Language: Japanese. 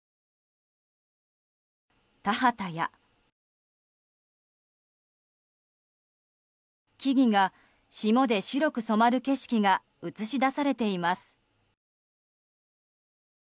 田畑や、木々が霜で白く染まる景色が映し出されています。